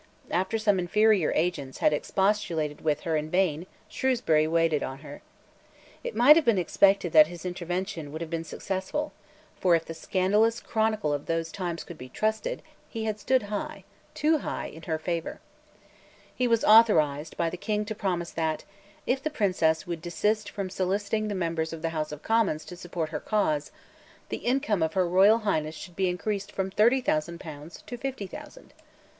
After some inferior agents had expostulated with her in vain, Shrewsbury waited on her. It might have been expected that his intervention would have been successful; for, if the scandalous chronicle of those times could be trusted, he had stood high, too high, in her favour, He was authorised by the King to promise that, if the Princess would desist from soliciting the members of the House of Commons to support her cause, the income of Her Royal Highness should be increased from thirty thousand pounds to fifty thousand.